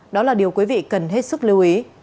đó là điều quý vị cần hết sức lưu ý